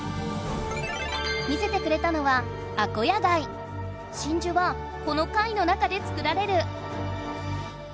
見せてくれたのは真珠はこの貝の中で作られる！